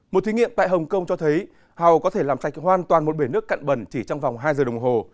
một thí nghiệm tại hồng kông cho thấy hàu có thể làm sạch hoàn toàn một bể nước cạn bẩn chỉ trong vòng hai giờ đồng hồ